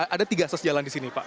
ada tiga akses jalan di sini pak